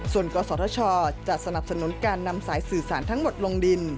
ส่วนกศชจะสนับสนุนการนำสายสื่อสารทั้งหมดลงดิน